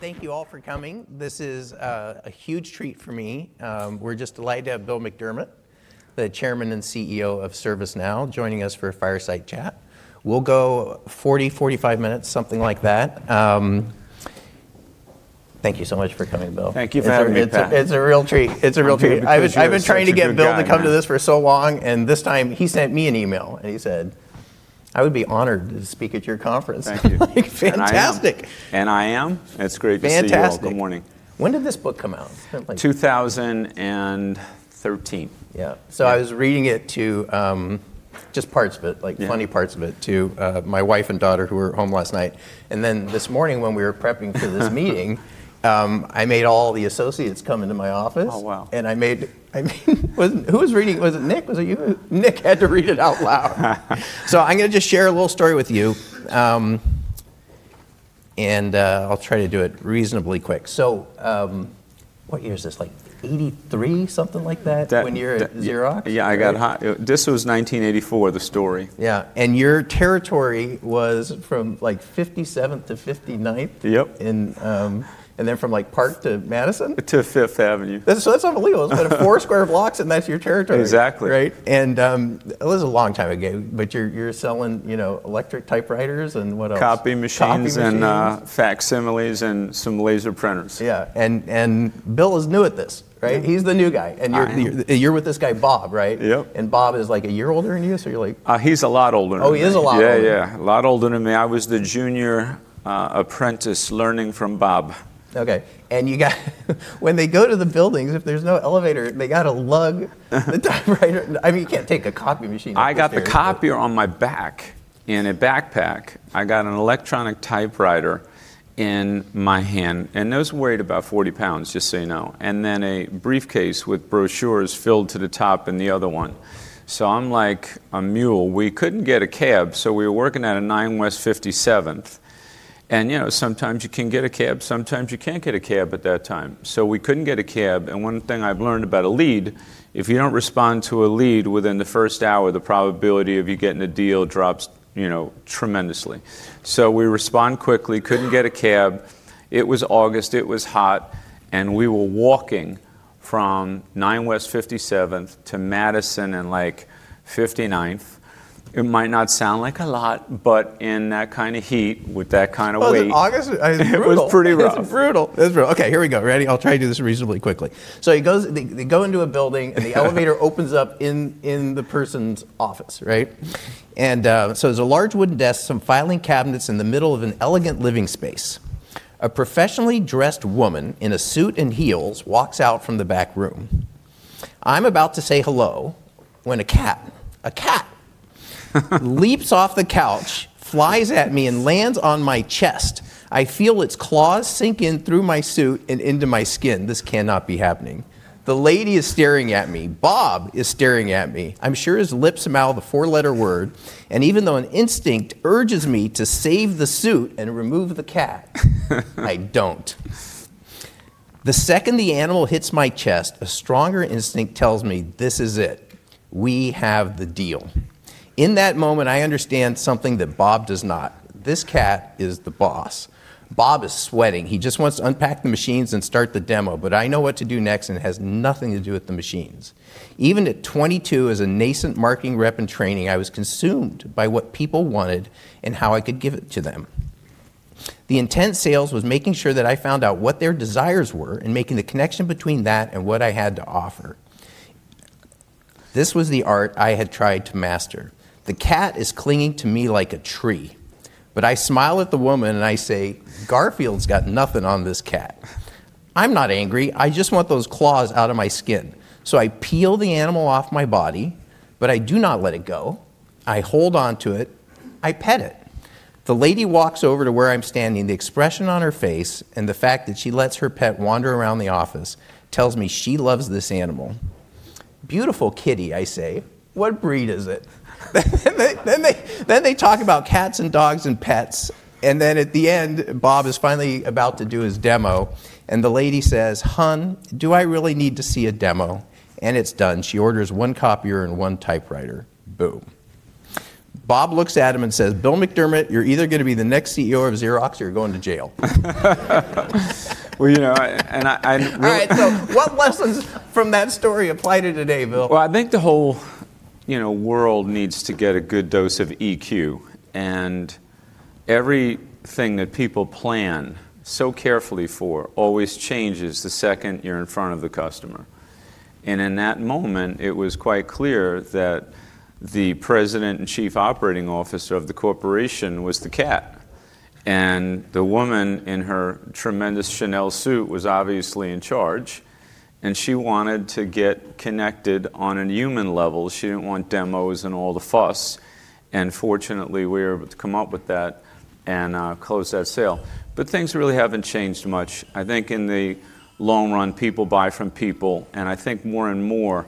Thank you all for coming. This is a huge treat for me. We're just delighted to have Bill McDermott, the Chairman and CEO of ServiceNow, joining us for a fireside chat. We'll go 40, 45 minutes, something like that. Thank you so much for coming, Bill. Thank you for having me, Pat. It's a real treat. It's a real treat. I'm here because you're such a good guy, man. I've been trying to get Bill to come to this for so long, and this time he sent me an email, and he said, "I would be honored to speak at your conference. Thank you. I'm like, "Fantastic! I am. I am, and it's great to see you all. Fantastic. Good morning. When did this book come out? Like- 2013. Yeah. Yeah. I was reading it to just parts of it. Yeah like funny parts of it, to my wife and daughter who were home last night. This morning when we were prepping for this meeting, I made all the associates come into my office. Oh, wow. Who was reading? Was it Nick? Was it you? Nick had to read it out loud. I'm gonna just share a little story with you. And I'll try to do it reasonably quick. What year is this? Like 1983, something like that. That, that- when you're at Xerox? Yeah, This was 1984, the story. Yeah. Your territory was from, like 57th to 59th- Yep... in, and then from, like Park to Madison? To Fifth Avenue. That's, so that's unbelievable. Isn't that four square blocks, and that's your territory? Exactly. Right? it was a long time ago, but you're selling, you know, electric typewriters and what else? Copy machines. Copy machines... and facsimiles and some laser printers. Yeah. Bill is new at this, right? Yeah. He's the new guy. I am. You're with this guy Bob, right? Yep. Bob is like a year older than you, so you're like. He's a lot older than me. Oh, he is a lot older. Yeah, yeah. A lot older than me. I was the junior apprentice learning from Bob. Okay. When they go to the buildings, if there's no elevator, they gotta lug the typewriter. I mean, you can't take a copy machine up the stairs, but. I got the copier on my back in a backpack. I got an electronic typewriter in my hand, and those weighed about 40 pounds, just so you know. A briefcase with brochures filled to the top in the other one. I'm like a mule. We couldn't get a cab, so we were working out of 9 West 57th. You know, sometimes you can get a cab, sometimes you can't get a cab at that time. We couldn't get a cab, and one thing I've learned about a lead, if you don't respond to a lead within the 1st hour, the probability of you getting a deal drops, you know, tremendously. We respond quickly, couldn't get a cab. It was August, it was hot, and we were walking from 9 West 57th to Madison and, like 59th. It might not sound like a lot, but in that kind of heat with that kind of weight- Oh, in August? It's brutal. It was pretty rough. It's brutal. It's real. Okay, here we go. Ready? I'll try to do this reasonably quickly. He goes. They go into a building. The elevator opens up in the person's office, right? There's a large wooden desk, some filing cabinets in the middle of an elegant living space. A professionally dressed woman in a suit and heels walks out from the back room. I'm about to say hello when a cat leaps off the couch, flies at me, and lands on my chest. I feel its claws sink in through my suit and into my skin. This cannot be happening. The lady is staring at me. Bob is staring at me. I'm sure his lips mouth a four-letter word, and even though an instinct urges me to save the suit and remove the cat, I don't. The second the animal hits my chest, a stronger instinct tells me, "This is it. We have the deal." In that moment, I understand something that Bob does not. This cat is the boss. Bob is sweating. He just wants to unpack the machines and start the demo, I know what to do next, and it has nothing to do with the machines. Even at 22 as a nascent marketing rep in training, I was consumed by what people wanted and how I could give it to them. The intent sales was making sure that I found out what their desires were and making the connection between that and what I had to offer. This was the art I had tried to master. The cat is clinging to me like a tree, but I smile at the woman and I say, "Garfield's got nothing on this cat." I'm not angry. I just want those claws out of my skin. I peel the animal off my body, but I do not let it go. I hold on to it. I pet it. The lady walks over to where I'm standing. The expression on her face and the fact that she lets her pet wander around the office tells me she loves this animal. "Beautiful kitty," I say. "What breed is it?" They talk about cats and dogs and pets, and then at the end, Bob is finally about to do his demo and the lady says, "Hon, do I really need to see a demo?" It's done. She orders one copier and one typewriter. Boom. Bob looks at him and says, "Bill McDermott, you're either gonna be the next CEO of Xerox or you're going to jail. Well, you know, I. All right. What lessons from that story apply to today, Bill? Well, I think the whole, you know, world needs to get a good dose of EQ, and everything that people plan so carefully for always changes the second you're in front of the customer. In that moment, it was quite clear that the president and chief operating officer of the corporation was the cat, and the woman in her tremendous Chanel suit was obviously in charge, and she wanted to get connected on a human level. She didn't want demos and all the fuss, and fortunately, we were able to come up with that and close that sale. Things really haven't changed much. I think in the long run, people buy from people, and I think more and more,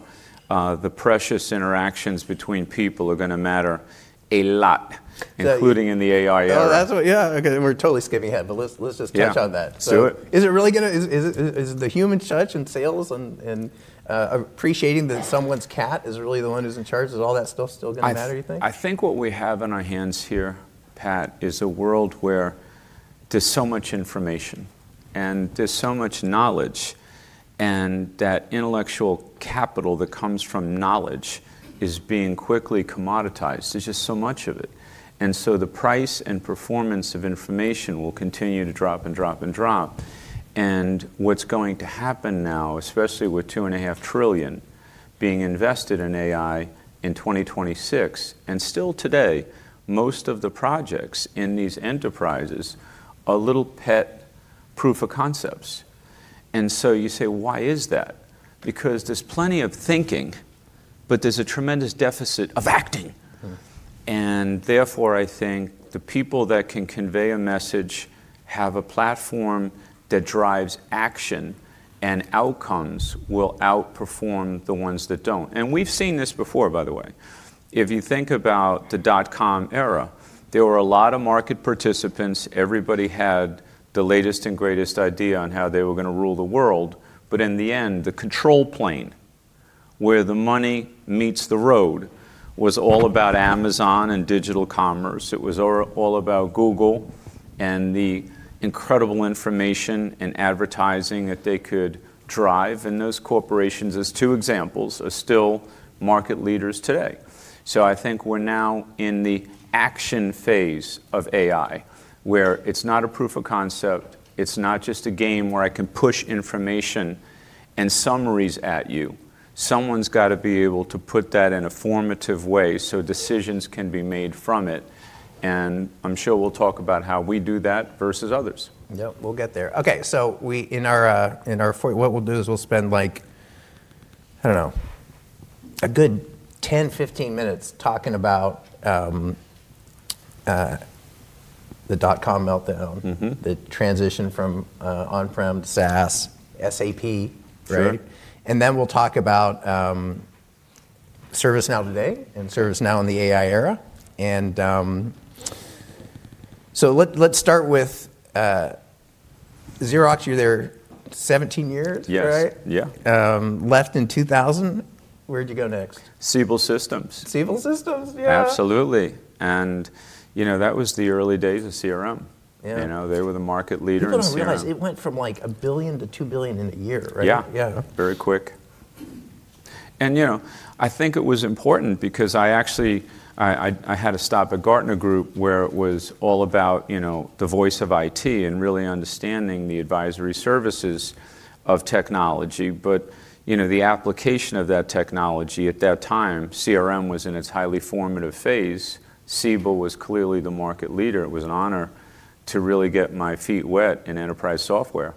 the precious interactions between people are gonna matter a lot. That-... including in the AI era. Oh, that's what... Yeah, okay, we're totally skipping ahead, but let's just touch on that. Yeah. Do it. Is the human touch in sales and appreciating that someone's cat is really the one who's in charge, is all that stuff still gonna matter, you think? I think what we have on our hands here, Pat, is a world where there's so much information and there's so much knowledge, and that intellectual capital that comes from knowledge is being quickly commoditized. There's just so much of it. The price and performance of information will continue to drop and drop and drop. What's going to happen now, especially with $two and a half trillion being invested in AI in 2026, and still today, most of the projects in these enterprises are little pet proof of concepts. So you say, "Why is that?" Because there's plenty of thinking, but there's a tremendous deficit of acting. Mm. Therefore, I think the people that can convey a message have a platform that drives action, and outcomes will outperform the ones that don't. We've seen this before, by the way. If you think about the dot-com era, there were a lot of market participants. Everybody had the latest and greatest idea on how they were gonna rule the world. In the end, the control plane where the money meets the road was all about Amazon and digital commerce. It was all about Google and the incredible information and advertising that they could drive. Those corporations, as two examples, are still market leaders today. I think we're now in the action phase of AI, where it's not a proof of concept. It's not just a game where I can push information and summaries at you. Someone's gotta be able to put that in a formative way so decisions can be made from it, and I'm sure we'll talk about how we do that versus others. Yep. We'll get there. Okay. We, what we'll do is we'll spend like, I don't know, a good 10, 15 minutes talking about the dot-com meltdown... Mm-hmm... the transition from, on-prem to SaaS Sure... right? We'll talk about ServiceNow today and ServiceNow in the AI era. Let's start with Xerox. You were there 17 years, right? Yes. Yeah. left in 2000. Where'd you go next? Siebel Systems. Siebel Systems, yeah. Absolutely. You know, that was the early days of CRM. Yeah. You know? They were the market leaders in CRM. People don't realize it went from, like, $1 billion-$2 billion in a year, right? Yeah. Yeah. Very quick. You know, I think it was important because I had a stop at Gartner, where it was all about, you know, the voice of IT and really understanding the advisory services of technology. You know, the application of that technology at that time, CRM was in its highly formative phase. Siebel was clearly the market leader. It was an honor to really get my feet wet in enterprise software.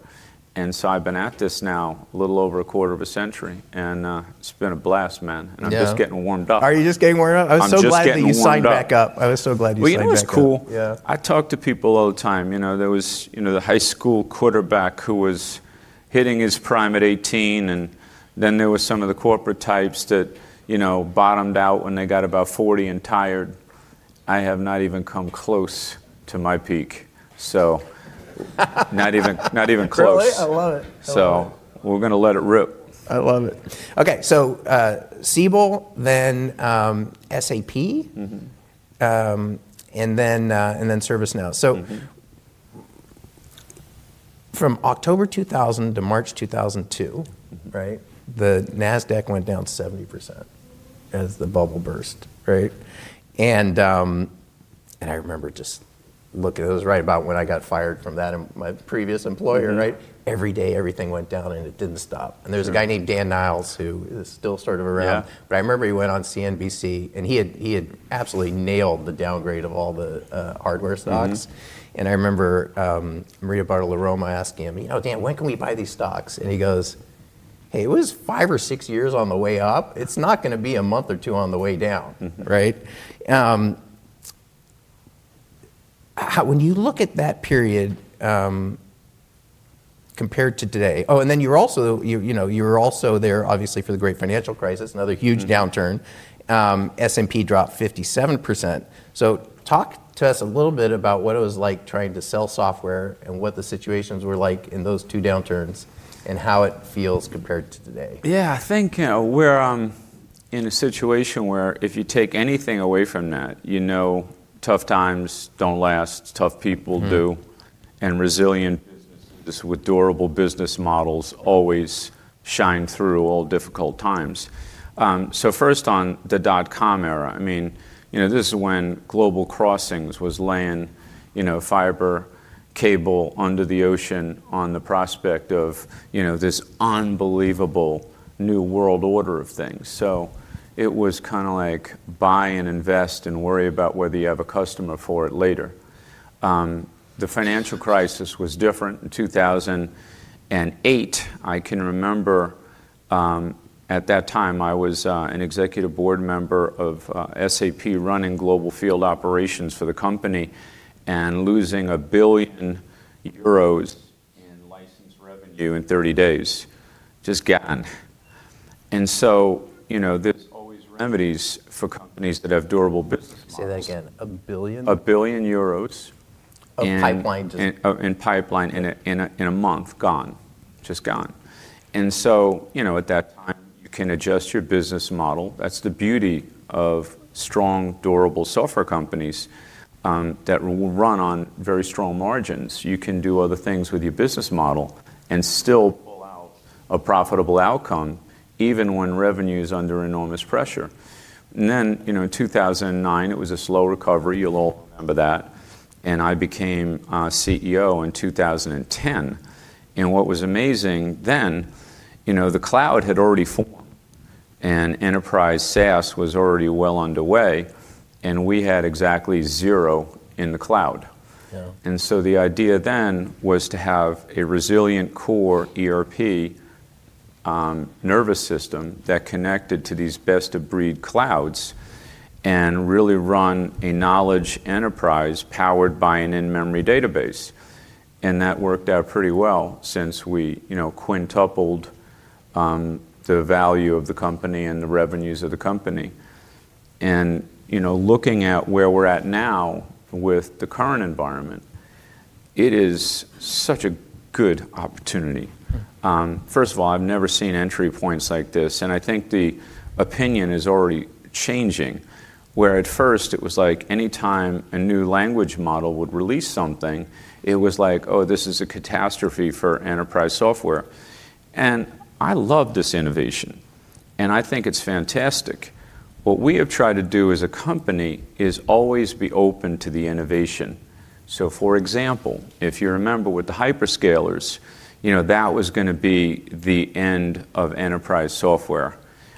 I've been at this now a little over a quarter of a century, and it's been a blast, man. Yeah. I'm just getting warmed up. Are you just getting warmed up? I'm just getting warmed up. I'm so glad that you signed back up. I was so glad you signed back up. You know, it's cool. Yeah. I talk to people all the time. You know, there was, you know, the high school quarterback who was hitting his prime at 18, and then there was some of the corporate types that, you know, bottomed out when they got about 40 and tired. I have not even come close to my peak not even, not even close. Really? I love it. I love it. We're gonna let it rip. I love it. Okay, Siebel, then, SAP. Mm-hmm. Then ServiceNow. Mm-hmm. From October 2000 to March 2002. Mm-hmm... right? The Nasdaq went down 70% as the bubble burst, right? I remember it was right about when I got fired from that, my previous employer- Mm-hmm right? Every day, everything went down, and it didn't stop. Sure. There's a guy named Dan Niles who is still sort of around. Yeah. I remember he went on CNBC, and he had absolutely nailed the downgrade of all the hardware stocks. Mm-hmm. I remember, Maria Bartiromo asking him, you know, "Dan, when can we buy these stocks?" He goes, "Hey, it was 5 or 6 years on the way up. It's not gonna be a month or 2 on the way down." Right? How... when you look at that period, compared to today... You know, you were also there obviously for the great financial crisis. Mm-hmm. Another huge downturn. S&P dropped 57%. Talk to us a little bit about what it was like trying to sell software and what the situations were like in those two downturns and how it feels compared to today? I think, you know, we're in a situation where if you take anything away from that, you know tough times don't last, tough people do. Mm. Resilient businesses with durable business models always shine through all difficult times. First on the dot-com era, I mean, you know, this is when Global Crossing was laying, you know, fiber cable under the ocean on the prospect of, you know, this unbelievable new world order of things. It was kinda like buy and invest and worry about whether you have a customer for it later. The financial crisis was different. In 2008, I can remember, at that time I was an executive board member of SAP running global field operations for the company and losing 1 billion euros in licensed revenue in 30 days, just gone. You know, there's always remedies for companies that have durable business models. Say that again. $1 billion? 1 billion euros in- Of pipeline. in pipeline in a, in a, in a month, gone. Just gone. You know, at that time, you can adjust your business model. That's the beauty of strong, durable software companies that will run on very strong margins. You can do other things with your business model and still pull out a profitable outcome even when revenue is under enormous pressure. You know, in 2009, it was a slow recovery. You'll all remember that. I became CEO in 2010. What was amazing then, you know, the cloud had already formed and enterprise SaaS was already well underway, and we had exactly zero in the cloud. Yeah. The idea then was to have a resilient core ERP nervous system that connected to these best-of-breed clouds and really run a knowledge enterprise powered by an in-memory database. That worked out pretty well since we, you know, quintupled the value of the company and the revenues of the company. You know, looking at where we're at now with the current environment, it is such a good opportunity. First of all, I've never seen entry points like this, and I think the opinion is already changing, where at first it was like anytime a new language model would release something, it was like, "Oh, this is a catastrophe for enterprise software." I love this innovation, and I think it's fantastic. What we have tried to do as a company is always be open to the innovation. For example, if you remember with the hyperscalers, you know, that was gonna be the end of enterprise software,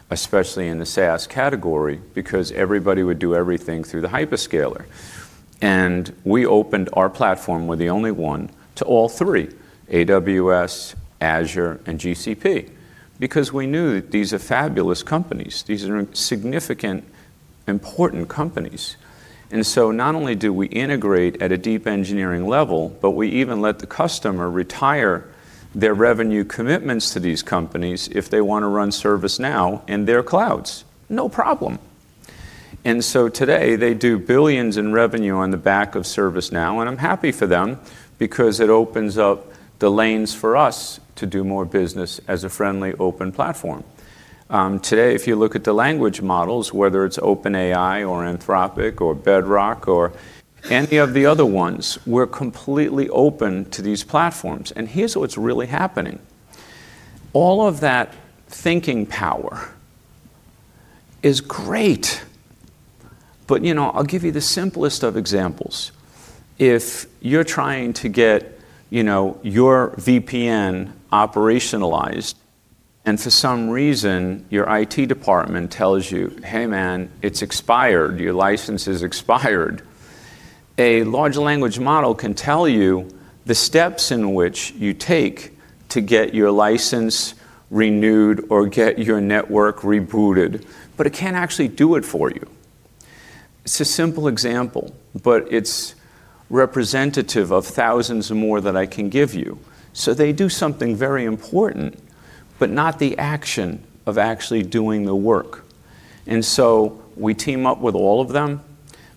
especially in the SaaS category, because everybody would do everything through the hyperscaler. We opened our platform, we're the only one, to all three, AWS, Azure, and GCP, because we knew that these are fabulous companies. These are significant, important companies. Not only do we integrate at a deep engineering level, but we even let the customer retire their revenue commitments to these companies if they wanna run ServiceNow in their clouds, no problem. Today, they do $ billions in revenue on the back of ServiceNow, and I'm happy for them because it opens up the lanes for us to do more business as a friendly open platform. Today, if you look at the language models, whether it's OpenAI or Anthropic or Bedrock or any of the other ones, we're completely open to these platforms. Here's what's really happening. All of that thinking power is great, but, you know, I'll give you the simplest of examples. If you're trying to get, you know, your VPN operationalized and for some reason your IT department tells you, "Hey, man, it's expired. Your license is expired", a large language model can tell you the steps in which you take to get your license renewed or get your network rebooted, but it can't actually do it for you. It's a simple example, but it's representative of thousands more that I can give you. They do something very important, but not the action of actually doing the work. We team up with all of them.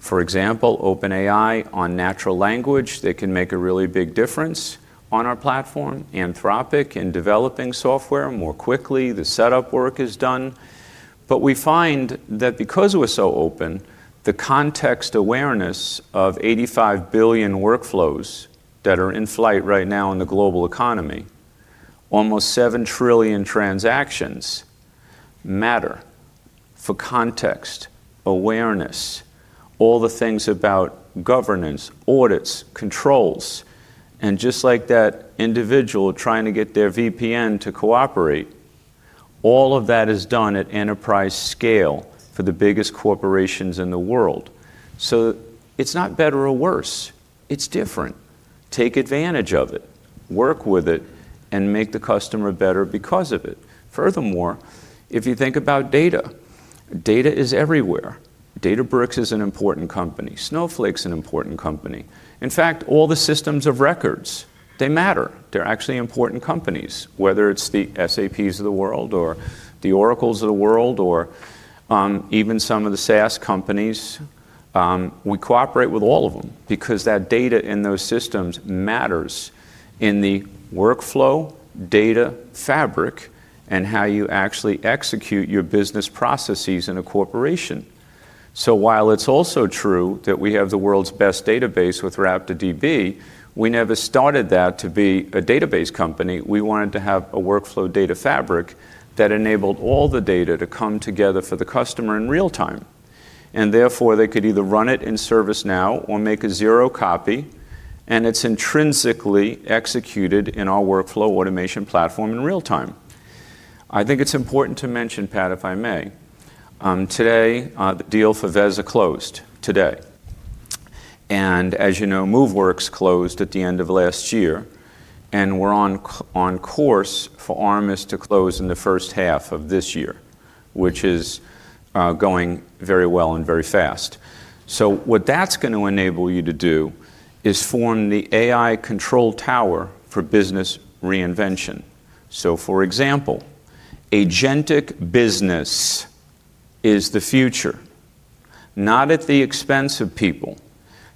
For example, OpenAI on natural language, they can make a really big difference on our platform. Anthropic in developing software more quickly, the setup work is done. We find that because we're so open, the context awareness of 85 billion workflows that are in flight right now in the global economy, almost 7 trillion transactions matter for context awareness, all the things about governance, audits, controls, and just like that individual trying to get their VPN to cooperate, all of that is done at enterprise scale for the biggest corporations in the world. It's not better or worse, it's different. Take advantage of it, work with it, and make the customer better because of it. Furthermore, if you think about data is everywhere. Databricks is an important company. Snowflake's an important company. In fact, all the systems of records, they matter. They're actually important companies, whether it's the SAPs of the world or the Oracles of the world or even some of the SaaS companies. We cooperate with all of them because that data in those systems matters in the Workflow Data Fabric and how you actually execute your business processes in a corporation. While it's also true that we have the world's best database with RaptorDB, we never started that to be a database company. We wanted to have a Workflow Data Fabric that enabled all the data to come together for the customer in real time, and therefore they could either run it in ServiceNow or make a zero copy, and it's intrinsically executed in our workflow automation platform in real time. I think it's important to mention, Pat, if I may, today, the deal for Veza closed today. As you know, Moveworks closed at the end of last year, we're on course for Armis to close in the first half of this year, which is going very well and very fast. What that's gonna enable you to do is form the AI Control Tower for business reinvention. For example, agentic business is the future. Not at the expense of people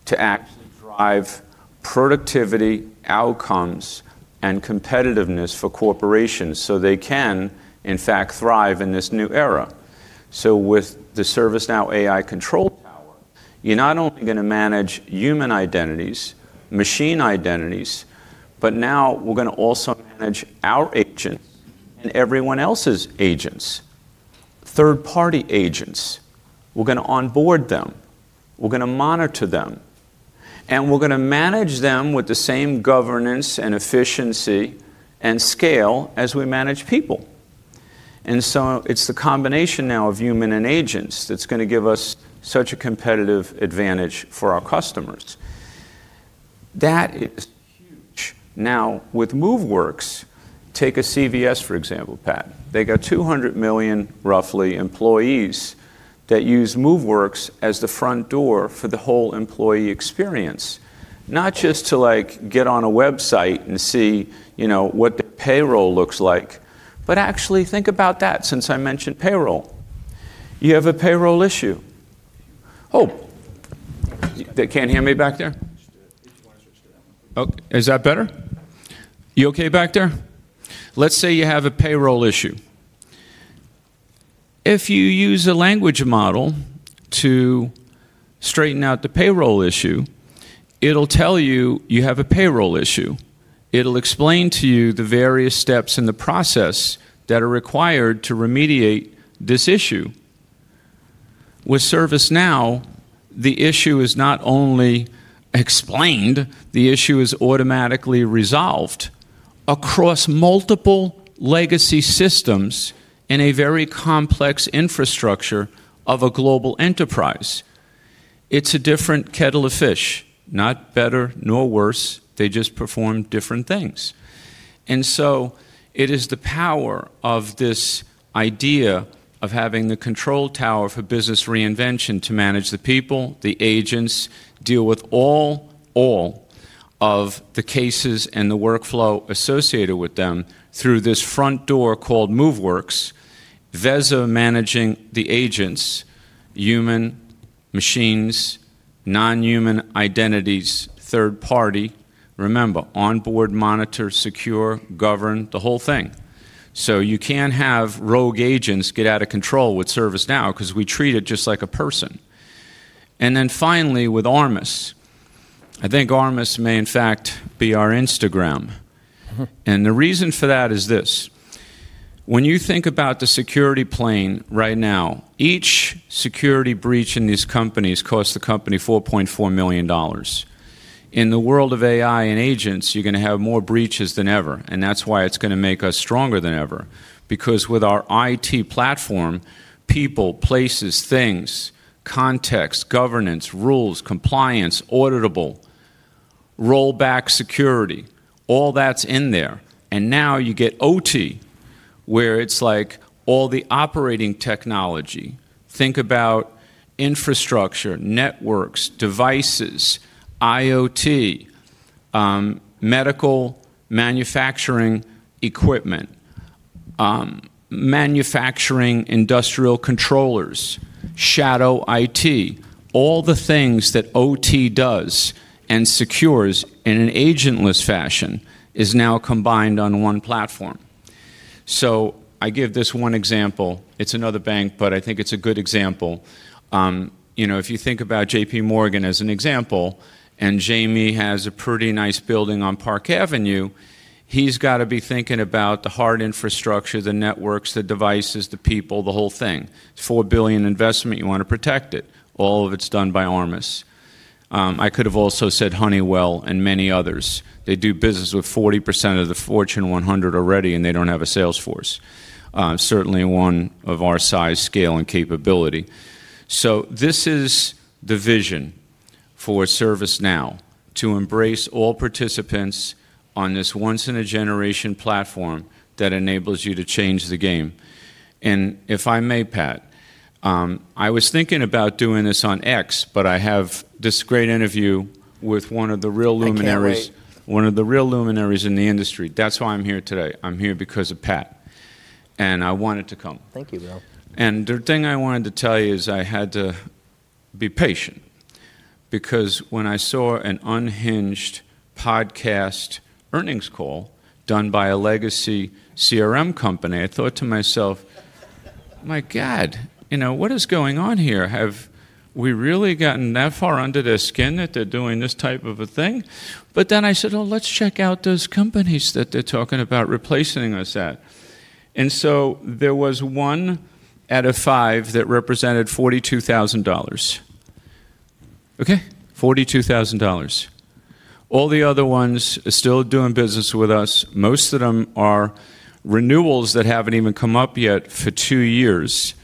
to actually drive productivity, outcomes, and competitiveness for corporations so they can, in fact, thrive in this new era. With the ServiceNow AI Control Tower, you're not only gonna manage human identities, machine identities, but now we're gonna also manage our agents and everyone else's agents, third-party agents. We're gonna onboard them, we're gonna monitor them, and we're gonna manage them with the same governance and efficiency and scale as we manage people. It's the combination now of human and agents that's gonna give us such a competitive advantage for our customers. That is huge. Now, with Moveworks, take a CVS, for example, Pat. They got 200 million, roughly, employees that use Moveworks as the front door for the whole employee experience. Not just to, like, get on a website and see, you know, what the payroll looks like, but actually think about that since I mentioned payroll. You have a payroll issue. Oh. They can't hear me back there? Oh, is that better? You okay back there? Let's say you have a payroll issue. If you use a language model to straighten out the payroll issue, it'll tell you you have a payroll issue. It'll explain to you the various steps in the process that are required to remediate this issue. With ServiceNow, the issue is not only explained, the issue is automatically resolved across multiple legacy systems in a very complex infrastructure of a global enterprise. It's a different kettle of fish, not better nor worse. They just perform different things. It is the power of this idea of having the control tower for business reinvention to manage the people, the agents, deal with all of the cases and the workflow associated with them through this front door called Moveworks, Veza managing the agents, human, machines, non-human identities, third party. Remember, onboard, monitor, secure, govern, the whole thing. You can't have rogue agents get out of control with ServiceNow 'cause we treat it just like a person. Finally with Armis. I think Armis may in fact be our Instagram. The reason for that is this. When you think about the security plane right now, each security breach in these companies costs the company $4.4 million. In the world of AI and agents, you're gonna have more breaches than ever. That's why it's gonna make us stronger than ever. With our IT platform, people, places, things, context, governance, rules, compliance, auditable, rollback security, all that's in there. Now you get OT, where it's like all the operating technology. Think about infrastructure, networks, devices, IoT, medical manufacturing equipment, manufacturing industrial controllers, Shadow IT. All the things that OT does and secures in an agentless fashion is now combined on one platform. I give this one example. It's another bank. I think it's a good example. You know, if you think about JPMorgan as an example, Jamie has a pretty nice building on Park Avenue, he's gotta be thinking about the hard infrastructure, the networks, the devices, the people, the whole thing. $4 billion investment, you wanna protect it. All of it's done by Armis. I could have also said Honeywell and many others. They do business with 40% of the Fortune 100 already, they don't have a sales force. Certainly one of our size, scale, and capability. This is the vision for ServiceNow, to embrace all participants on this once-in-a-generation platform that enables you to change the game. If I may, Pat, I was thinking about doing this on X, I have this great interview with one of the real luminaries in the industry. That's why I'm here today. I'm here because of Pat. I wanted to come. Thank you, Bill. The thing I wanted to tell you is I had to be patient because when I saw an unhinged podcast earnings call done by a legacy CRM company, I thought to myself, "My God, you know, what is going on here? Have we really gotten that far under their skin that they're doing this type of a thing?" I said, "Well, let's check out those companies that they're talking about replacing us at." There was one out of five that represented $42,000. Okay? $42,000. All the other ones are still doing business with us. Most of them are renewals that haven't even come up yet for two years,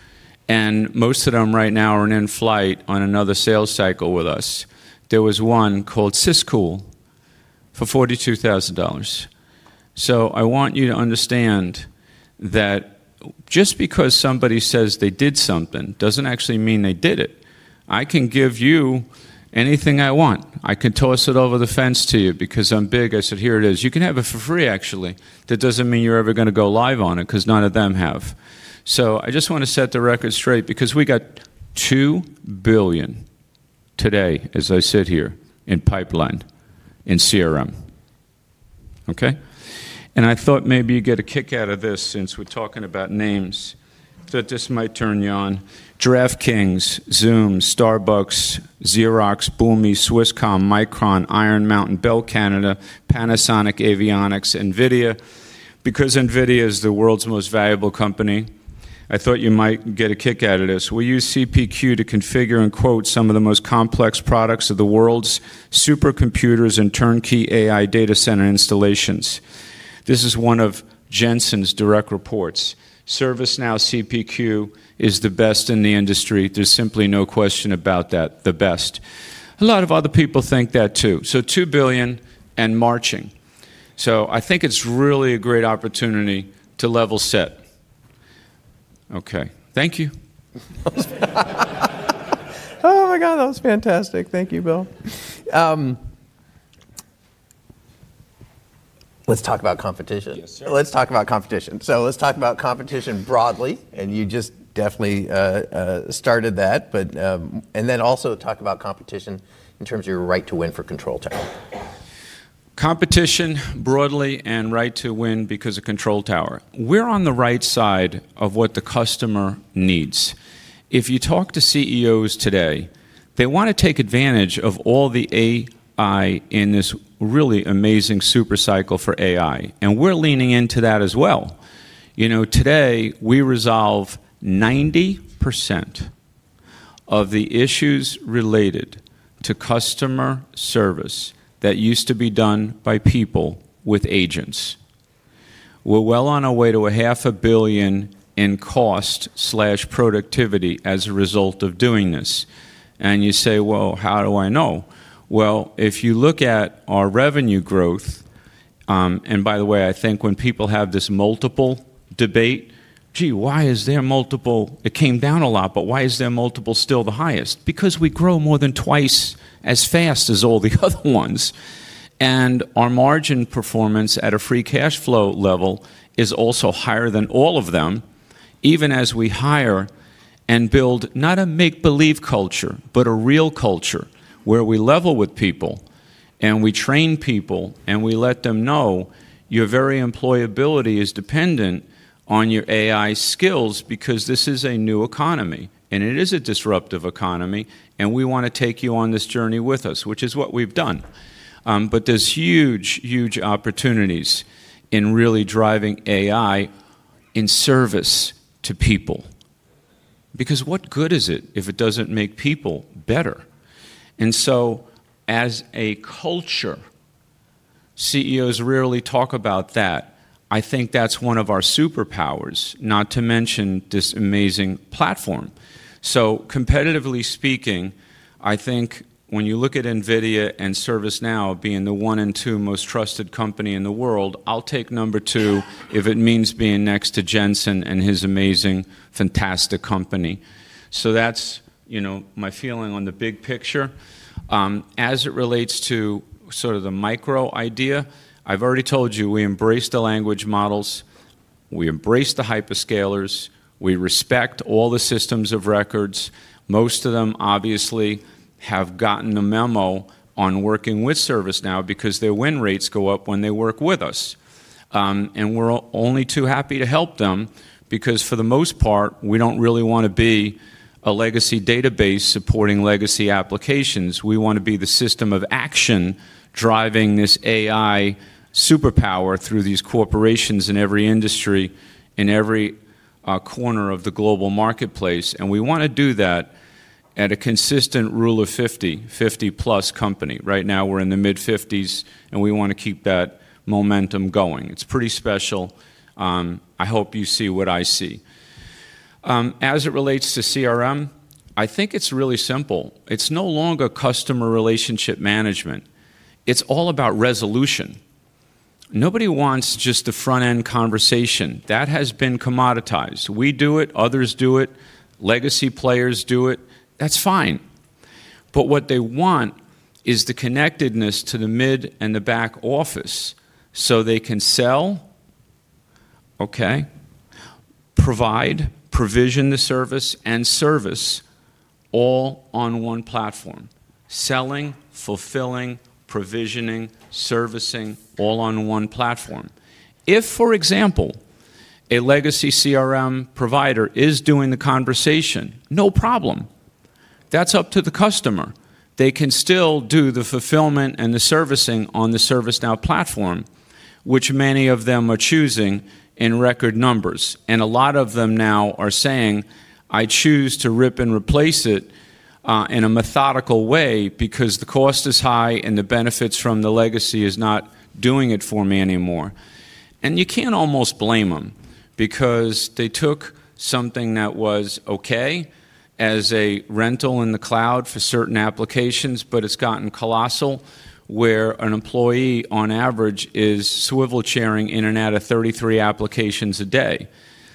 and most of them right now are in flight on another sales cycle with us. There was one called Sys-Kool for $42,000. I want you to understand that just because somebody says they did something doesn't actually mean they did it. I can give you anything I want. I can toss it over the fence to you because I'm big. I said, "Here it is. You can have it for free, actually." That doesn't mean you're ever gonna go live on it, 'cause none of them have. I just wanna set the record straight because we got $2 billion today as I sit here in pipeline in CRM. Okay? I thought maybe you'd get a kick out of this since we're talking about names, that this might turn you on. DraftKings, Zoom, Starbucks, Xerox, Boomi, Swisscom, Micron, Iron Mountain, Bell Canada, Panasonic Avionics, Nvidia. Nvidia is the world's most valuable company, I thought you might get a kick out of this. "We use CPQ to configure and quote some of the most complex products of the world's supercomputers and turnkey AI data center installations." This is one of Jensen's direct reports. "ServiceNow CPQ is the best in the industry. There's simply no question about that. The best." A lot of other people think that too. $2 billion and marching. I think it's really a great opportunity to level set. Okay. Thank you. Oh my God, that was fantastic. Thank you, Bill. Let's talk about competition. Yes, sir. Let's talk about competition. Let's talk about competition broadly, you just definitely started that. Also talk about competition in terms of your right to win for AI Control Tower. Competition broadly and right to win because of Control Tower. We're on the right side of what the customer needs. If you talk to CEOs today, they wanna take advantage of all the AI in this really amazing super cycle for AI, and we're leaning into that as well. You know, today, we resolve 90% of the issues related to customer service that used to be done by people with agents. We're well on our way to a half a billion dollars in cost/productivity as a result of doing this. You say, "Well, how do I know?" Well, if you look at our revenue growth, by the way, I think when people have this multiple debate, "Gee, why is their multiple... It came down a lot, but why is their multiple still the highest? We grow more than twice as fast as all the other ones, and our margin performance at a free cash flow level is also higher than all of them, even as we hire and build not a make-believe culture, but a real culture where we level with people and we train people, and we let them know your very employability is dependent on your AI skills because this is a new economy, and it is a disruptive economy, and we wanna take you on this journey with us, which is what we've done. There's huge, huge opportunities in really driving AI in service to people. What good is it if it doesn't make people better? As a culture, CEOs rarely talk about that. I think that's one of our superpowers, not to mention this amazing platform. Competitively speaking, I think when you look at Nvidia and ServiceNow being the one and two most trusted company in the world, I'll take number two if it means being next to Jensen and his amazing, fantastic company. That's, you know, my feeling on the big picture. As it relates to sort of the micro idea, I've already told you we embrace the language models, we embrace the hyperscalers, we respect all the systems of records. Most of them obviously have gotten the memo on working with ServiceNow because their win rates go up when they work with us. We're only too happy to help them because for the most part, we don't really wanna be a legacy database supporting legacy applications. We wanna be the system of action driving this AI superpower through these corporations in every industry, in every corner of the global marketplace, and we wanna do that at a consistent Rule of 50-plus company. Right now, we're in the mid-50s, and we wanna keep that momentum going. It's pretty special. I hope you see what I see. As it relates to CRM, I think it's really simple. It's no longer customer relationship management. It's all about resolution. Nobody wants just the front-end conversation. That has been commoditized. We do it, others do it, legacy players do it. That's fine. What they want is the connectedness to the mid and the back office, so they can sell, provide, provision the service, and service all on one platform. Selling, fulfilling, provisioning, servicing all on one platform. If, for example, a legacy CRM provider is doing the conversation, no problem. That's up to the customer. They can still do the fulfillment and the servicing on the ServiceNow platform, which many of them are choosing in record numbers. A lot of them now are saying, "I choose to rip and replace it in a methodical way because the cost is high and the benefits from the legacy is not doing it for me anymore." You can't almost blame them because they took something that was okay as a rental in the cloud for certain applications, but it's gotten colossal where an employee on average is swivel chairing in and out of 33 applications a day.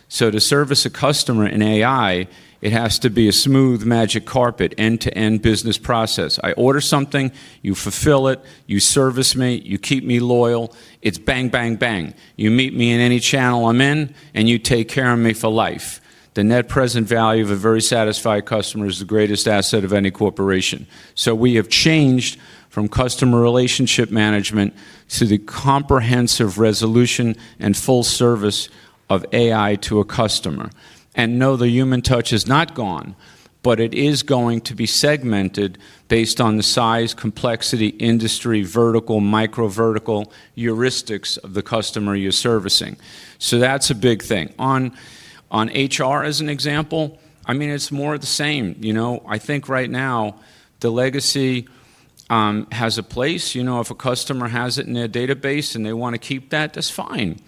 To service a customer in AI, it has to be a smooth magic carpet end-to-end business process. I order something, you fulfill it, you service me, you keep me loyal. It's bang, bang. You meet me in any channel I'm in, and you take care of me for life. The net present value of a very satisfied customer is the greatest asset of any corporation. We have changed from customer relationship management to the comprehensive resolution and full service of AI to a customer. No, the human touch is not gone, but it is going to be segmented based on the size, complexity, industry, vertical, microvertical, heuristics of the customer you're servicing. That's a big thing. On HR as an example, I mean, it's more of the same. You know, I think right now the legacy has a place, you know. If a customer has it in their database and they wanna keep that's fine.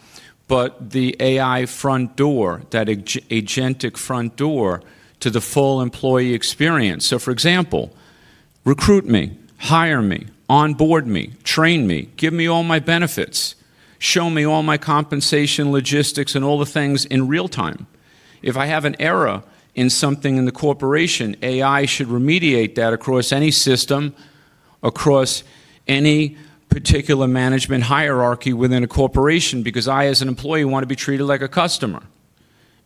The AI front door, that agentic front door to the full employee experience. For example, recruit me, hire me, onboard me, train me, give me all my benefits, show me all my compensation, logistics, and all the things in real time. If I have an error in something in the corporation, AI should remediate that across any system, across any particular management hierarchy within a corporation, because I as an employee wanna be treated like a customer.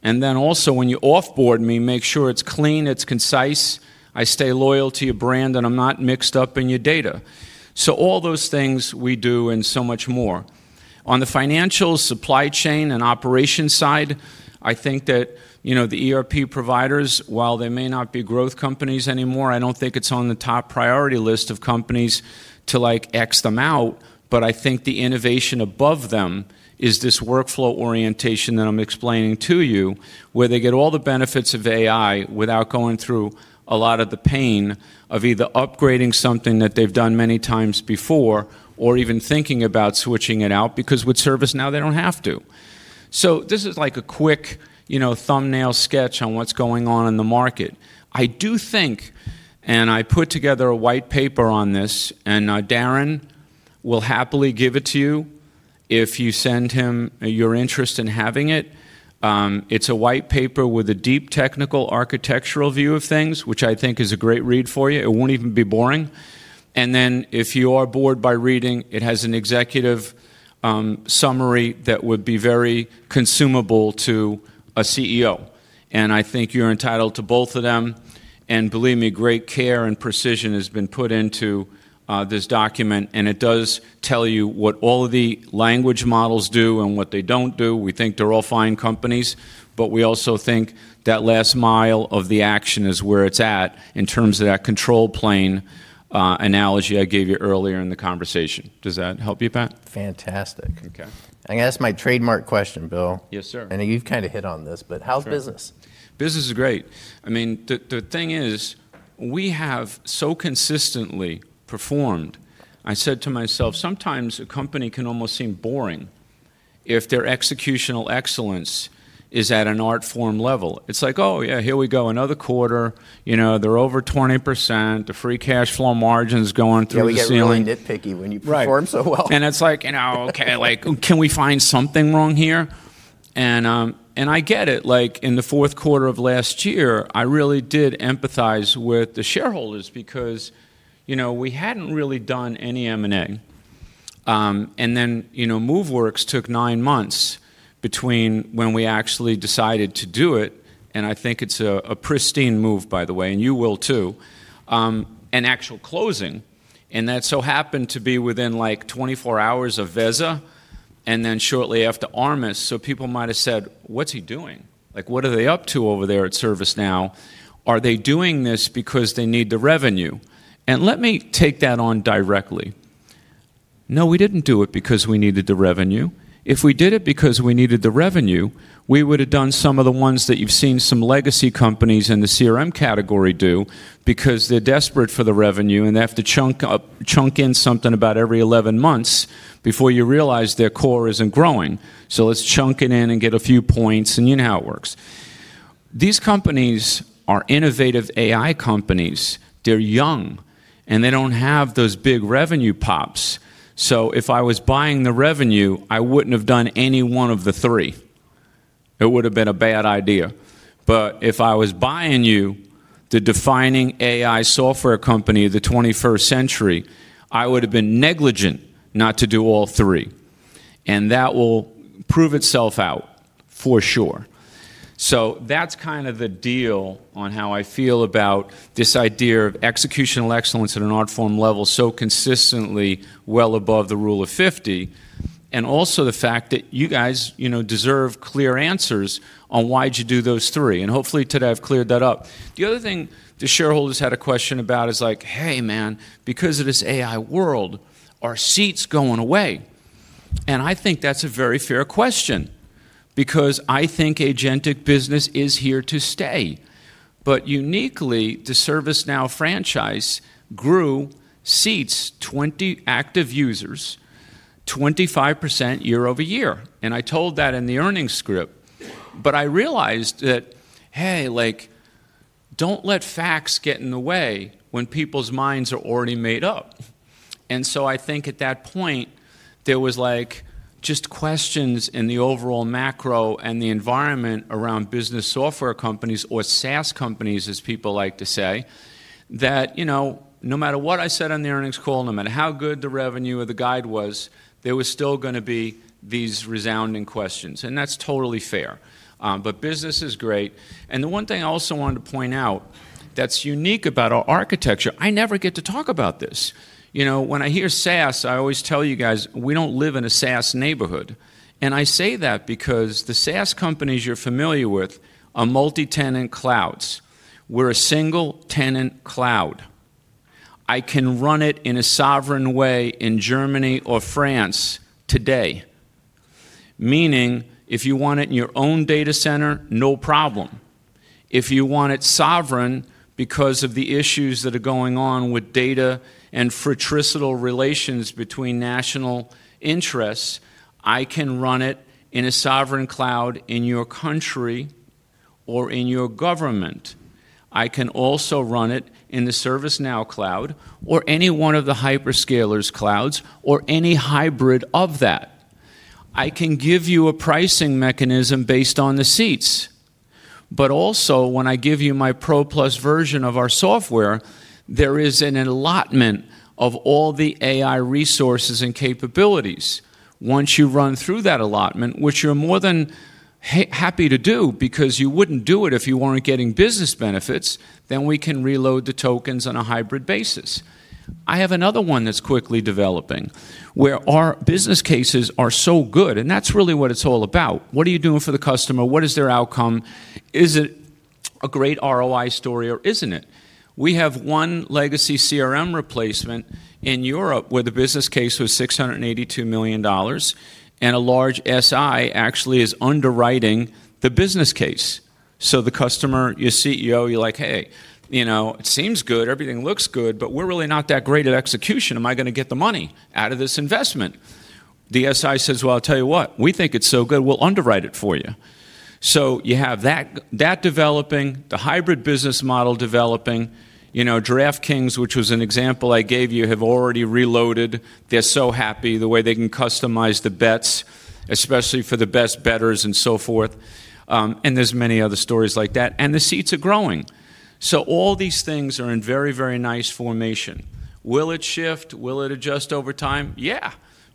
Then also when you off-board me, make sure it's clean, it's concise, I stay loyal to your brand, and I'm not mixed up in your data. All those things we do and so much more. On the financial supply chain and operations side, I think that, you know, the ERP providers, while they may not be growth companies anymore, I don't think it's on the top priority list of companies to like X them out, but I think the innovation above them is this workflow orientation that I'm explaining to you, where they get all the benefits of AI without going through a lot of the pain of either upgrading something that they've done many times before or even thinking about switching it out, because with ServiceNow, they don't have to. This is like a quick, you know, thumbnail sketch on what's going on in the market. I do think, and I put together a white paper on this, and, Darren will happily give it to you if you send him your interest in having it. It's a white paper with a deep technical architectural view of things, which I think is a great read for you. It won't even be boring. Then if you are bored by reading, it has an executive summary that would be very consumable to a CEO, and I think you're entitled to both of them. Believe me, great care and precision has been put into this document, and it does tell you what all of the language models do and what they don't do. We think they're all fine companies, we also think that last mile of the action is where it's at in terms of that control plane analogy I gave you earlier in the conversation. Does that help you, Pat? Fantastic. Okay. I'm gonna ask my trademark question, Bill. Yes, sir. I know you've kinda hit on this, but how's business? Business is great. I mean, the thing is, we have so consistently performed, I said to myself, sometimes a company can almost seem boring if their executional excellence is at an art form level. It's like, "Oh, yeah, here we go, another quarter. You know, they're over 20%. The free cash flow margin's going through the ceiling. Yeah, we get really nitpicky when you perform so well. It's like, you know, okay, like, can we find something wrong here? I get it. Like, in the fourth quarter of last year, I really did empathize with the shareholders because, you know, we hadn't really done any M&A. You know, Moveworks took nine months between when we actually decided to do it, and I think it's a pristine move by the way, and you will too, and actual closing. That so happened to be within like 24 hours of Veza and then shortly after Armis. People might have said, "What's he doing? Like, what are they up to over there at ServiceNow? Are they doing this because they need the revenue?" Let me take that on directly. No, we didn't do it because we needed the revenue. If we did it because we needed the revenue, we would've done some of the ones that you've seen some legacy companies in the CRM category do because they're desperate for the revenue, and they have to chunk in something about every 11 months before you realize their core isn't growing. Let's chunk it in and get a few points, and you know how it works. These companies are innovative AI companies. They're young, and they don't have those big revenue pops. If I was buying the revenue, I wouldn't have done any one of the three. It would've been a bad idea. If I was buying you the defining AI software company of the 21st century, I would've been negligent not to do all 3, and that will prove itself out for sure. That's kind of the deal on how I feel about this idea of executional excellence at an art form level so consistently well above the Rule of 50, and also the fact that you guys, you know, deserve clear answers on why'd you do those three, and hopefully today I've cleared that up. The other thing the shareholders had a question about is like, "Hey, man, because of this AI world, are seats going away?" I think that's a very fair question. Because I think agentic business is here to stay. Uniquely, the ServiceNow franchise grew seats 20 active users, 25% year-over-year. I told that in the earnings script. I realized that, hey, like, don't let facts get in the way when people's minds are already made up. I think at that point, there was, like, just questions in the overall macro and the environment around business software companies or SaaS companies, as people like to say, that, you know, no matter what I said on the earnings call, no matter how good the revenue or the guide was, there was still gonna be these resounding questions. That's totally fair. Business is great. The one thing I also wanted to point out that's unique about our architecture, I never get to talk about this. You know, when I hear SaaS, I always tell you guys, we don't live in a SaaS neighborhood. I say that because the SaaS companies you're familiar with are multi-tenant clouds. We're a single-tenant cloud. I can run it in a sovereign way in Germany or France today. Meaning, if you want it in your own data center, no problem. If you want it sovereign because of the issues that are going on with data and fratricidal relations between national interests, I can run it in a sovereign cloud in your country or in your government. I can also run it in the ServiceNow cloud or any one of the hyperscalers' clouds or any hybrid of that. I can give you a pricing mechanism based on the seats. Also, when I give you my Pro Plus version of our software, there is an allotment of all the AI resources and capabilities. Once you run through that allotment, which you're more than happy to do because you wouldn't do it if you weren't getting business benefits, we can reload the tokens on a hybrid basis. I have another one that's quickly developing, where our business cases are so good, that's really what it's all about. What are you doing for the customer? What is their outcome? Is it a great ROI story, or isn't it? We have one legacy CRM replacement in Europe where the business case was $682 million, a large SI actually is underwriting the business case. The customer, your CEO, you're like, "Hey, you know, it seems good. Everything looks good, but we're really not that great at execution. Am I gonna get the money out of this investment?" The SI says, "Well, I'll tell you what. We think it's so good, we'll underwrite it for you." You have that developing, the hybrid business model developing. You know, DraftKings, which was an example I gave you, have already reloaded. They're so happy the way they can customize the bets, especially for the best bettors and so forth. There's many other stories like that. The seats are growing. All these things are in very, very nice formation. Will it shift? Will it adjust over time? Yeah,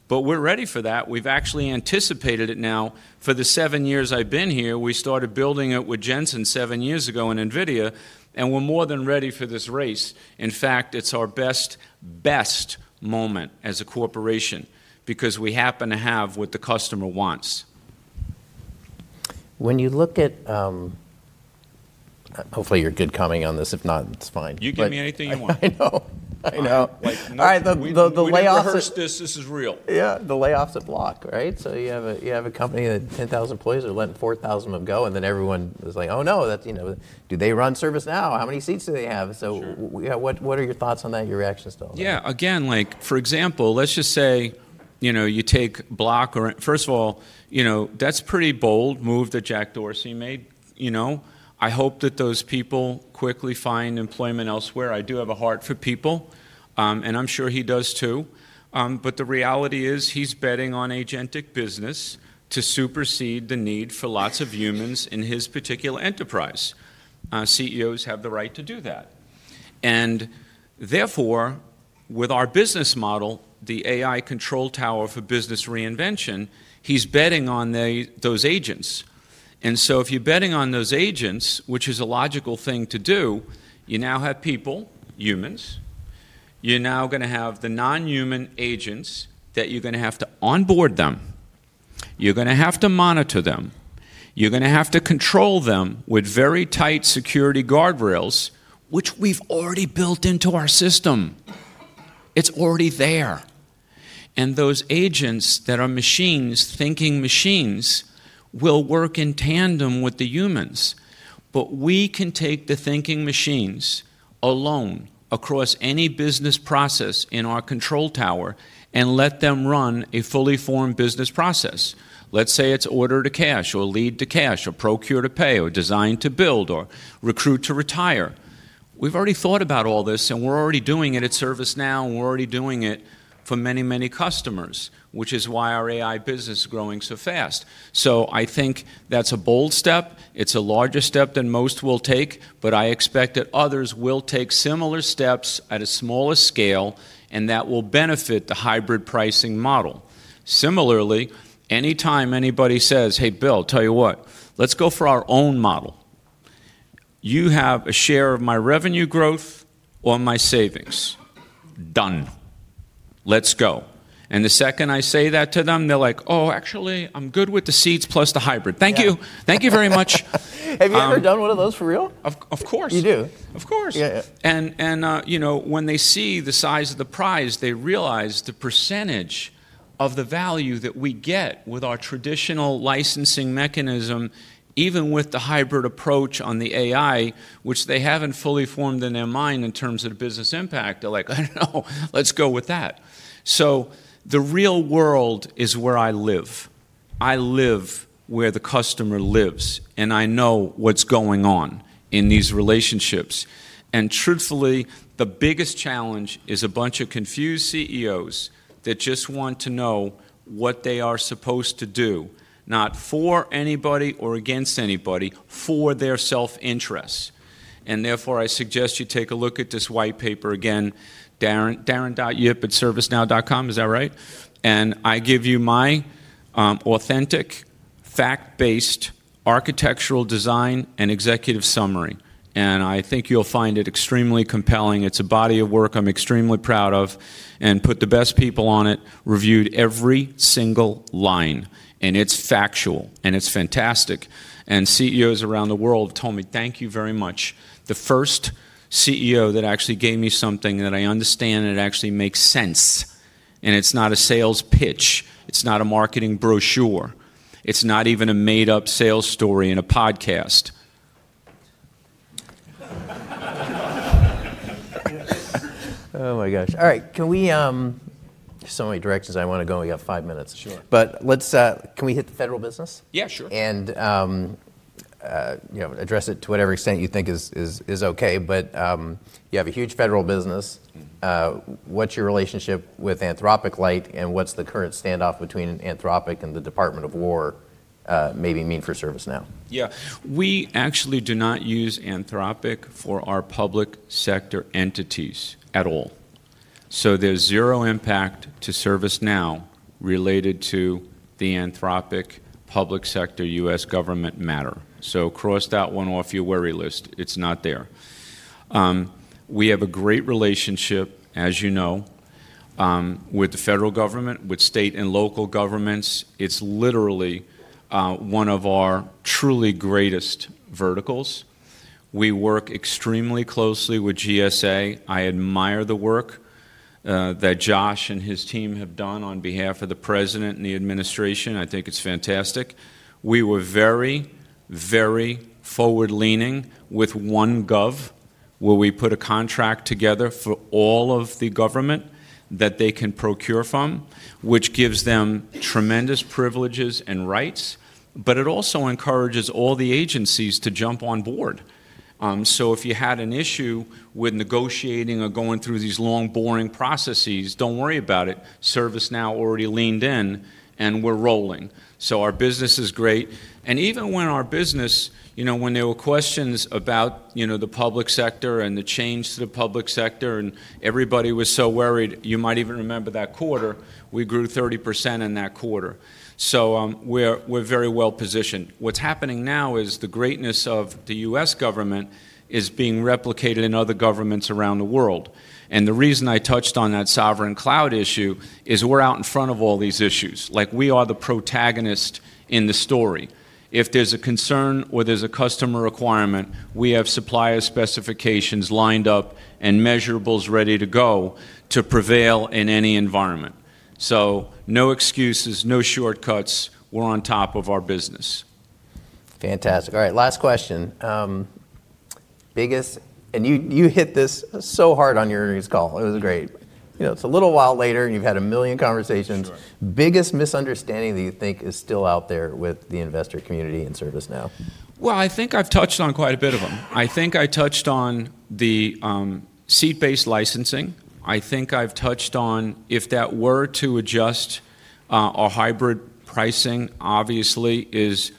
but we're ready for that. We've actually anticipated it now. For the seven years I've been here, we started building it with Jensen seven years ago in Nvidia, and we're more than ready for this race. In fact, it's our best moment as a corporation because we happen to have what the customer wants. When you look at, hopefully, you're good coming on this. If not, it's fine. You give me anything you want. I know. I know. Like. All right. The layoffs- We didn't rehearse this. This is real. Yeah. The layoffs at Block, right? You have a company that 10,000 employees. They're letting 4,000 of them go. Everyone is like, "Oh, no. That's, you know... Do they run ServiceNow? How many seats do they have? Sure. What are your thoughts on that, your reactions to all that? Yeah. Again, like, for example, let's just say, you know, you take Block or... First of all, you know, that's pretty bold move that Jack Dorsey made. You know? I hope that those people quickly find employment elsewhere. I do have a heart for people, and I'm sure he does too. But the reality is he's betting on agentic business to supersede the need for lots of humans in his particular enterprise. CEOs have the right to do that. Therefore, with our business model, the AI Control Tower for business reinvention, he's betting on those agents. So if you're betting on those agents, which is a logical thing to do, you now have people, humans. You're now gonna have the non-human agents that you're gonna have to onboard them. You're gonna have to monitor them. You're gonna have to control them with very tight security guardrails, which we've already built into our system. It's already there. Those agents that are machines, thinking machines, will work in tandem with the humans. We can take the thinking machines alone across any business process in our control tower and let them run a fully formed business process. Let's say it's order to cash or lead to cash or procure to pay or design to build or recruit to retire. We've already thought about all this, and we're already doing it at ServiceNow, and we're already doing it for many, many customers, which is why our AI business is growing so fast. I think that's a bold step. It's a larger step than most will take, but I expect that others will take similar steps at a smaller scale, and that will benefit the hybrid pricing model. Similarly, anytime anybody says, "Hey, Bill, tell you what. Let's go for our own model. You have a share of my revenue growth or my savings." "Done. Let's go." The second I say that to them, they're like, "Oh, actually, I'm good with the seats plus the hybrid. Thank you. Yeah. Thank you very much. Have you ever done one of those for real? Of course. You do? Of course. Yeah, yeah. You know, when they see the size of the prize, they realize the percentage of the value that we get with our traditional licensing mechanism, even with the hybrid approach on the AI, which they haven't fully formed in their mind in terms of the business impact. They're like, "I don't know. Let's go with that." The real world is where I live. I live where the customer lives, and I know what's going on in these relationships. Truthfully, the biggest challenge is a bunch of confused CEOs that just want to know what they are supposed to do, not for anybody or against anybody, for their self-interest. I suggest you take a look at this white paper again, Darren, darren.yip@servicenow.com. Is that right? I give you my authentic, fact-based architectural design and executive summary, and I think you'll find it extremely compelling. It's a body of work I'm extremely proud of and put the best people on it, reviewed every single line, and it's factual, and it's fantastic. CEOs around the world told me, "Thank you very much. The first CEO that actually gave me something that I understand and it actually makes sense, and it's not a sales pitch. It's not a marketing brochure. It's not even a made-up sales story in a podcast. Oh my gosh. All right. Can we... There's so many directions I wanna go, and we got five minutes. Sure. Let's, can we hit the federal business? Yeah, sure. you know, address it to whatever extent you think is okay. You have a huge federal business. Mm-hmm. What's your relationship with Anthropic Lite, and what's the current standoff between Anthropic and the Department of War, maybe mean for ServiceNow? Yeah. We actually do not use Anthropic for our public sector entities at all. There's zero impact to ServiceNow related to the Anthropic public sector U.S. government matter. Cross that one off your worry list. It's not there. We have a great relationship, as you know, with the federal government, with state and local governments. It's literally one of our truly greatest verticals. We work extremely closely with GSA. I admire the work that Josh and his team have done on behalf of the president and the administration. I think it's fantastic. We were very, very forward-leaning with OneGov, where we put a contract together for all of the government that they can procure from, which gives them tremendous privileges and rights, it also encourages all the agencies to jump on board. If you had an issue with negotiating or going through these long, boring processes, don't worry about it. ServiceNow already leaned in, and we're rolling. Our business is great. Even when our business, you know, when there were questions about, you know, the public sector and the change to the public sector, and everybody was so worried, you might even remember that quarter, we grew 30% in that quarter. We're very well-positioned. What's happening now is the greatness of the U.S. government is being replicated in other governments around the world. The reason I touched on that sovereign cloud issue is we're out in front of all these issues, like we are the protagonist in the story. If there's a concern or there's a customer requirement, we have supplier specifications lined up and measurables ready to go to prevail in any environment. No excuses, no shortcuts. We're on top of our business. Fantastic. All right, last question. You hit this so hard on your earnings call. It was great. You know, it's a little while later, and you've had 1 million conversations. Sure. Biggest misunderstanding that you think is still out there with the investor community in ServiceNow? Well, I think I've touched on quite a bit of them. I think I touched on the seat-based licensing. I think I've touched on if that were to adjust, our hybrid pricing obviously is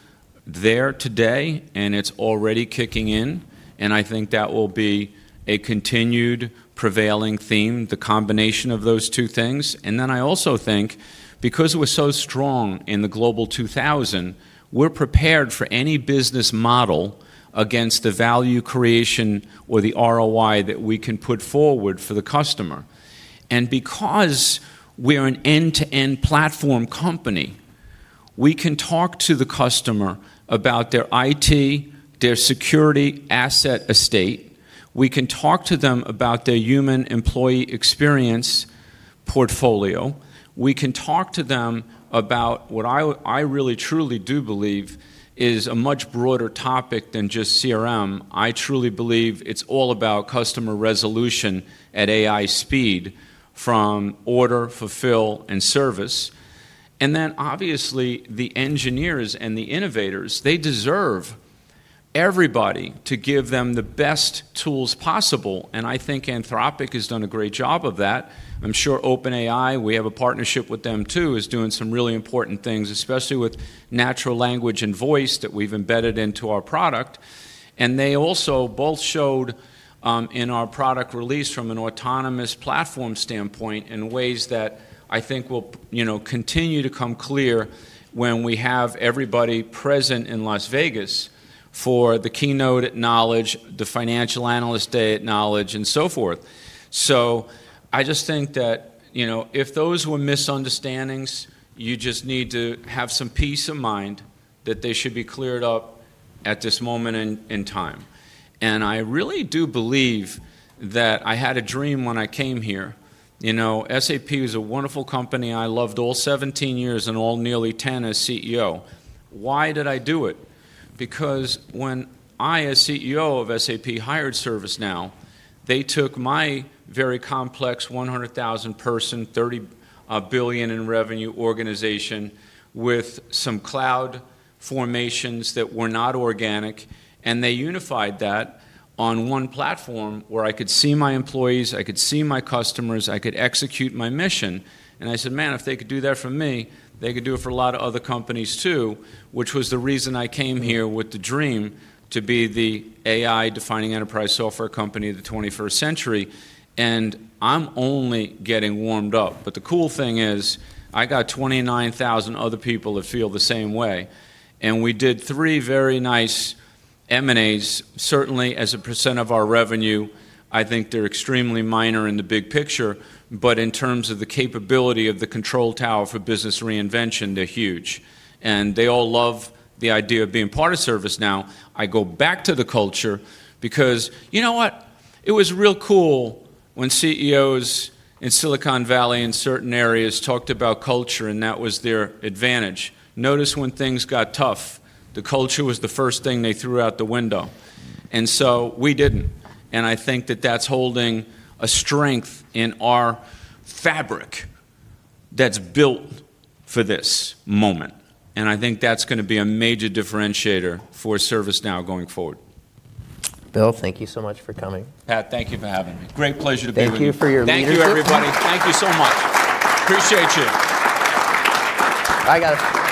there today, and it's already kicking in, and I think that will be a continued prevailing theme, the combination of those two things. I also think because we're so strong in the Global 2000, we're prepared for any business model against the value creation or the ROI that we can put forward for the customer. Because we're an end-to-end platform company, we can talk to the customer about their IT, their security asset estate. We can talk to them about their human employee experience portfolio. We can talk to them about what I really truly do believe is a much broader topic than just CRM. I truly believe it's all about customer resolution at AI speed from order, fulfill, and service. Obviously, the engineers and the innovators, they deserve everybody to give them the best tools possible, and I think Anthropic has done a great job of that. I'm sure OpenAI, we have a partnership with them too, is doing some really important things, especially with natural language and voice that we've embedded into our product. They also both showed in our product release from an autonomous platform standpoint in ways that I think will, you know, continue to come clear when we have everybody present in Las Vegas for the keynote at Knowledge, the Financial Analyst Day at Knowledge, and so forth. I just think that, you know, if those were misunderstandings, you just need to have some peace of mind that they should be cleared up at this moment in time. I really do believe that I had a dream when I came here. You know, SAP is a wonderful company. I loved all 17 years and all nearly 10 as CEO. Why did I do it? Because when I, as CEO of SAP, hired ServiceNow, they took my very complex 100,000 person, $30 billion in revenue organization with some cloud formations that were not organic, and they unified that on one platform where I could see my employees, I could see my customers, I could execute my mission. I said, "Man, if they could do that for me, they could do it for a lot of other companies too," which was the reason I came here with the dream to be the AI-defining enterprise software company of the 21st century, and I'm only getting warmed up. The cool thing is I got 29,000 other people that feel the same way, and we did three very nice M&As. As a percent of our revenue, I think they're extremely minor in the big picture, but in terms of the capability of the Control Tower for business reinvention, they're huge, and they all love the idea of being part of ServiceNow. I go back to the culture because you know what? It was real cool when CEOs in Silicon Valley and certain areas talked about culture and that was their advantage. Notice when things got tough, the culture was the first thing they threw out the window. We didn't, and I think that that's holding a strength in our fabric that's built for this moment, and I think that's gonna be a major differentiator for ServiceNow going forward. Bill, thank you so much for coming. Pat, thank you for having me. Great pleasure to be with you. Thank you for your leadership. Thank you, everybody. Thank you so much. Appreciate you. I got.